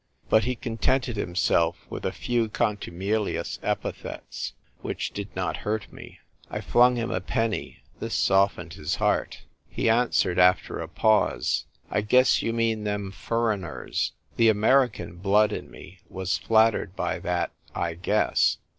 But he contented himself with a few contumelious epithets, which did not hurt me. I flung him a penny ; this softened his heart. He an 54 THE TYPE WRITER GIRL. swered, after a pause, " I guess you mean them furriners." The American blood in me was flattered by that " I guess."